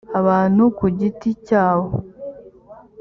abantu ku giti cyabo